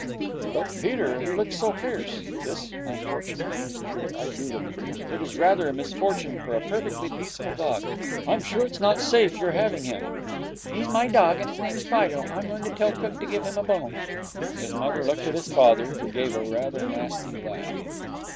'But, Peter, he looks so fierce.' This, unfortunately, is true. I do look fierce. It is rather a misfortune for a perfectly peaceful dog. 'I'm sure it's not safe your having him.' 'He's my dog, and his name's Fido. I am going to tell cook to give him a bone.' His mother looked at his father, who gave rather a nasty laugh.